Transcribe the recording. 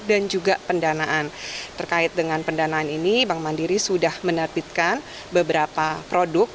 dan juga pendanaan terkait dengan pendanaan ini bang mandiri sudah menerbitkan beberapa produk